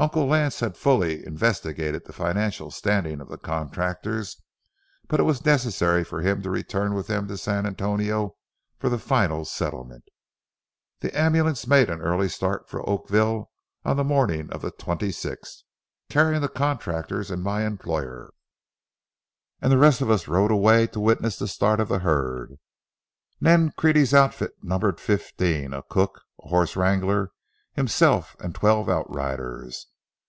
Uncle Lance had fully investigated the financial standing of the contractors, but it was necessary for him to return with them to San Antonio for a final settlement. The ambulance made an early start for Oakville on the morning of the twenty sixth, carrying the contractors and my employer, and the rest of us rode away to witness the start of the herd. Nancrede's outfit numbered fifteen,—a cook, a horse wrangler, himself, and twelve outriders.